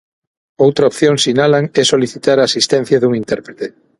Outra opción, sinalan, é solicitar a asistencia dun interprete.